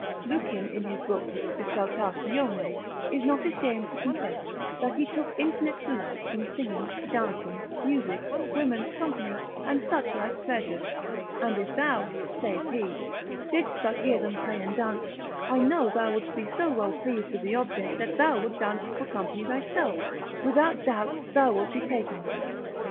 Lucian in his book, de saltatione, is not ashamed to confess that he took infinite delight in singing, dancing, music, women's company, and such like pleasures: and if thou (saith he) didst but hear them play and dance, I know thou wouldst be so well pleased with the object, that thou wouldst dance for company thyself, without doubt thou wilt be taken with it.